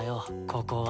ここは。